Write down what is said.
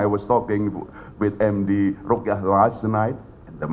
saya berbicara dengan md rukyah malam tadi